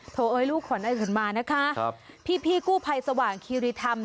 โทรเอ้ยลูกขวานอื่นมานะคะพี่กู้ภัยสว่างคิริธรรม